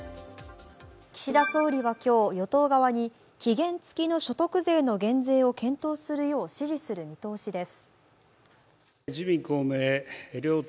岸田総理は今日、与党側に期限付きの所得税の減税を検討するよう指示する見通しです。